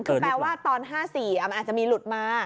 คือแปลว่าตอน๕๔มันอาจจะมีหลุดมา